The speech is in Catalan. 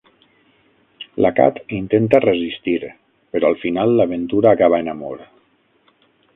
La Kat intenta resistir, però al final l'aventura acaba en amor.